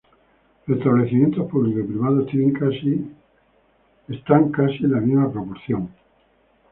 Los establecimientos públicos y privados tienen casi en la misma proporción.